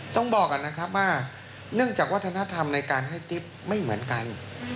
ต้องบอกก่อนนะครับว่าเนื่องจากวัฒนธรรมในการให้ติ๊บไม่เหมือนกัน